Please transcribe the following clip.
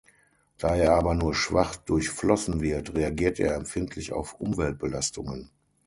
Da er aber nur schwach durchflossen wird, reagiert er empfindlich auf Umweltbelastungen.